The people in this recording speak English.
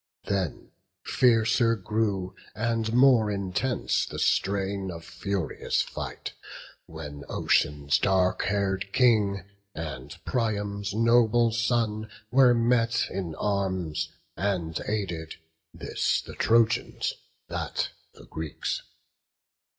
Then fiercer grew, and more intense the strain Of furious fight, when Ocean's dark hair'd King And Priam's noble son were met in arms, And aided, this the Trojans, that the Greeks.